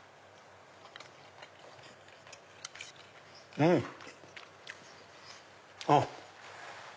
うん！あっ。